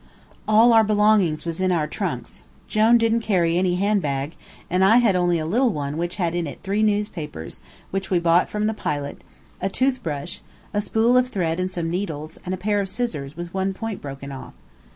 All our belongings was in our trunks. Jone didn't carry any hand bag, and I had only a little one which had in it three newspapers, which we bought from the pilot, a tooth brush, a spool of thread and some needles, and a pair of scissors with one point broken off.